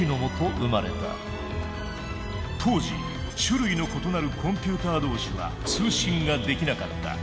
当時種類の異なるコンピューター同士は通信ができなかった。